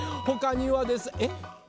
ほかにはですえっ？